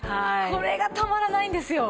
これがたまらないんですよ。